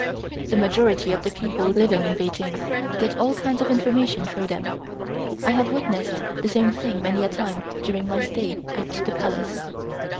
The majority of the people living in Peking get all kinds of information through them. I have witnessed the same thing many a time during my stay at the Palace.